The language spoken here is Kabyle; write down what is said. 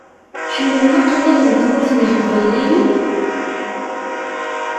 Ḥemmlen aqellal n Tmurt n yeqbayliyen?